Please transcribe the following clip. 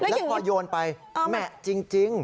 แล้วพอโยนไปแหมะจริง